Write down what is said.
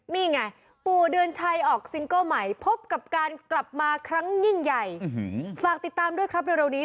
นี่ไงปู่เดือนชัยออกซิงเกิ้ลใหม่พบกับการกลับมาครั้งยิ่งใหญ่ฝากติดตามด้วยครับเร็วนี้